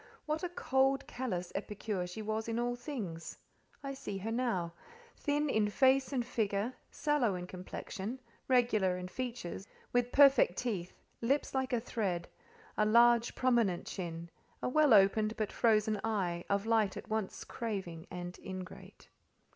What a cold, callous epicure she was in all things! I see her now. Thin in face and figure, sallow in complexion, regular in features, with perfect teeth, lips like a thread, a large, prominent chin, a well opened, but frozen eye, of light at once craving and ingrate.